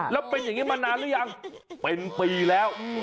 แล้วเป็นอย่างนี้มานานหรือยังเป็นปีแล้ว